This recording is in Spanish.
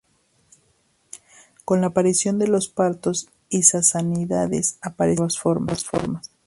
Con la aparición de los partos y sasánidas aparecieron nuevas formas.